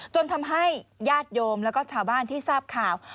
จนทำให้ญาติโยมแล้วก็ชาวบ้านที่ทราบข่าว